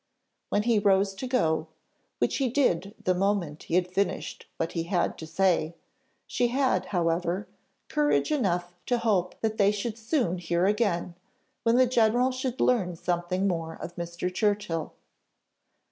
When he rose to go, which he did the moment he had finished what he had to say, she had, however, courage enough to hope that they should soon hear again, when the general should learn something more of Mr. Churchill.